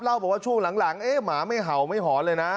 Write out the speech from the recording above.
เล่าบอกว่าช่วงหลังหมาไม่เห่าไม่หอนเลยนะ